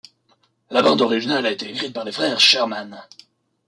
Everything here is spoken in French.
La bande originale a été écrite par les frères Sherman.